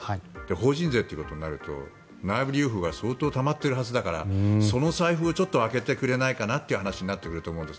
法人税ということになると内部留保が相当たまってるはずだからその財布をちょっと開けてくれないかなという話になってくると思うんです。